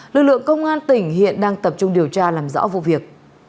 lực lượng công an tỉnh hiện đang tập trung điều tra làm rõ vụ việc